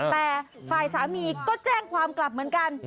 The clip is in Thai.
แต่ฝ่ายสามีก็แจ้งความกลับเหมือนกัน